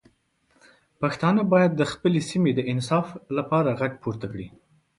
پښتانه باید د خپلې سیمې د انصاف لپاره غږ پورته کړي.